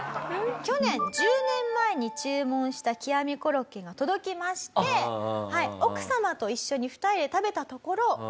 去年１０年前に注文した極みコロッケが届きまして奥様と一緒に２人で食べたところ美味しさに感動したと。